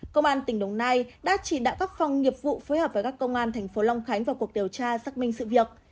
công an tp long khánh đã chỉ đạo các phòng nghiệp vụ phối hợp với các công an tp long khánh vào cuộc điều tra xác minh sự việc